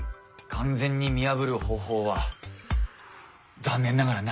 完全に見破る方法は残念ながらないんです。